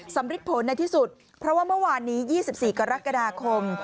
ริดผลในที่สุดเพราะว่าเมื่อวานนี้๒๔กรกฎาคม